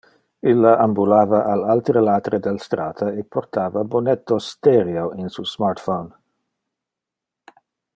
Illa ambulava al altere latere del strata e portava bonettos stereo in su smartphono.